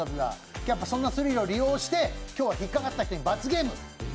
今日はそんなスリルを利用して、今日は引っかかった人に罰ゲーム。